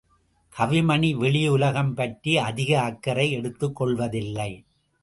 கவிமணி வெளி உலகம் பற்றி அதிக அக்கறை எடுத்துக் கொள்வதில்லை.